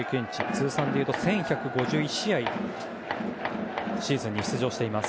通算１１５１試合シーズンでは出場しています。